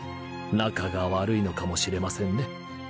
仲が悪いのかもしれませんね